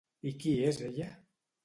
I qui és ella?